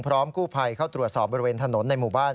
พร้อมกู้ภัยเข้าตรวจสอบบริเวณถนนในหมู่บ้าน